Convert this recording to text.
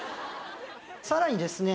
さらにですね